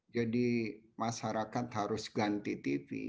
jadi masyarakat harus ganti tv